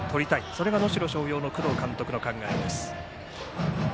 それが能代松陽の工藤監督の考えです。